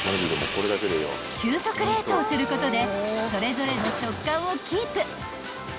［急速冷凍することでそれぞれの食感をキープ］